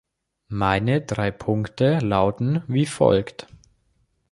Meine drei Punkte lauten wie folgt.